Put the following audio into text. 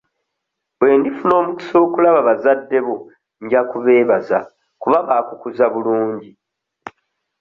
Bwe ndifuna omukisa okulaba bazadde bo nja kubeebaza kuba baakukuza bulungi.